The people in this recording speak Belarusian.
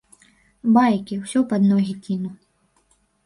Байкі, усё пад ногі кіну.